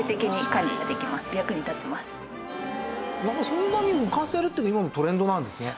そんなに浮かせるって今のトレンドなんですね。